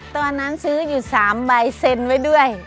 ตอนนั้นซื้ออยู่๓ใบเซ็นไว้ด้วย